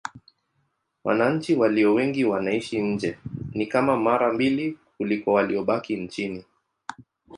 Wananchi walio wengi wanaishi nje: ni kama mara mbili kuliko waliobaki nchini.